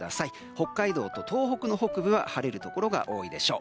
北海道と東北の北部は晴れるところが多いでしょう。